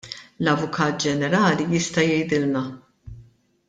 L-Avukat Ġenerali jista' jgħidilna.